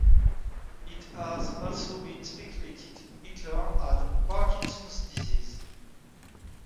It has also been speculated Hitler had Parkinson's disease.